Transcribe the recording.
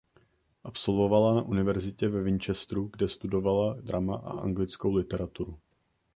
Absolvovala na univerzitě ve Winchesteru kde studovala drama a anglickou literaturu.